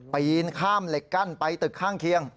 ปีนข้ามเหล็กกั้นไปตึกข้างเคียง